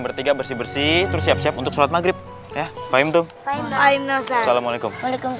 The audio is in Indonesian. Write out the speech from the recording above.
bertiga bersih bersih terus siap siap untuk sholat maghrib ya fahim tuh fahim assalamualaikum